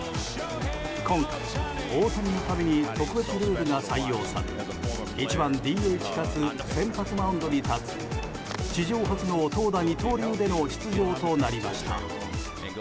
今回、大谷のために特別ルールが採用され１番ＤＨかつ先発マウンドに立つ史上初の投打二刀流となりました。